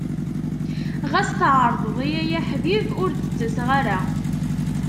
Ɣas tɛerḍeḍ-iyi ay aḥbib, ur d-ttaseɣ ara.